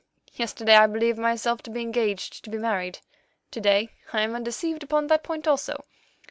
Yesterday I believed myself to be engaged to be married; to day I am undeceived upon that point also.